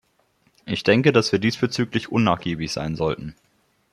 Ich denke, dass wir diesbezüglich unnachgiebig sein sollten.